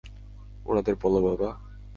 উনাদের বলো, বাবা!